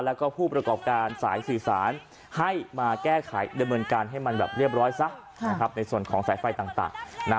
และผู้ประกอบการสายสื่อสารให้มาแก้ไขเดินเมินการให้มันเรียบร้อยในส่วนของไฟฟ้าต่าง